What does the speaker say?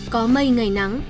có mây ngày nắng